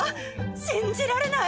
信じられない・